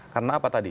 karena apa tadi